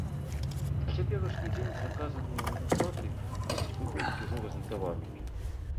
На цяперашні дзень заказаныя платы могуць прыходзіць ужо разлітаванымі.